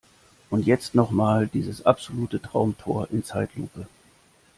Und jetzt noch mal dieses absolute Traumtor in Zeitlupe!